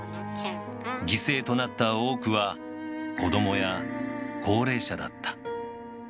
犠牲となった多くは子どもや高齢者だった。